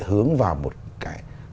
hướng vào một cái